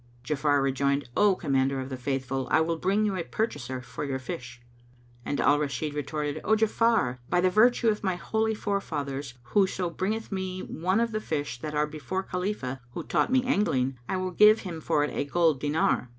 Ja'afar rejoined, "O Commander of the Faithful, I will bring you a purchaser for your fish." And Al Rashid retorted, "O Ja'afar, by the virtue of my holy forefathers, whoso bringeth me one of the fish that are before Khalifah, who taught me angling, I will give him for it a gold dinar."